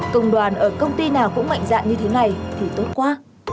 công đoàn ở công ty nào cũng mạnh dạng như thế này thì tốt qua